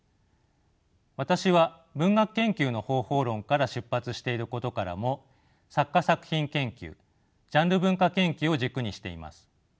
私は文学研究の方法論から出発していることからも作家作品研究ジャンル文化研究を軸にしています。